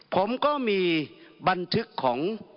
ผมก็มีบันทึกของ